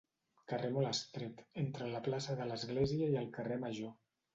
Carrer molt estret, entre la plaça de l'església i el carrer major.